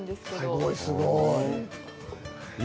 すごい、すごい。